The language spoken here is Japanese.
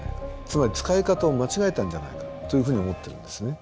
つまり使い方を間違えたんじゃないかというふうに思ってるんですね。